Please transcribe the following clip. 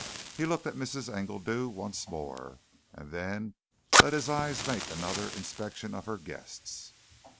He looked at Mrs. Engledew once more, and then let his eyes make another inspection of her guests.